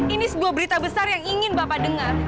ini sebuah berita besar yang ingin bapak dengar